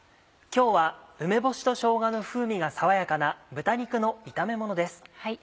今日は梅干しとしょうがの風味が爽やかな豚肉の炒めものです。